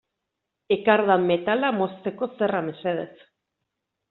Ekardan metala mozteko zerra mesedez.